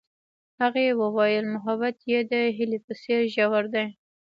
هغې وویل محبت یې د هیلې په څېر ژور دی.